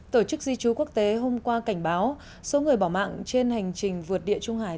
tổ chức di chú quốc tế hôm qua cảnh báo số người bỏ mạng trên hành trình vượt địa trung hải